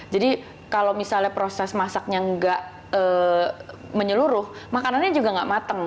jadi kalau misalnya proses masaknya nggak menyeluruh makanannya juga nggak mateng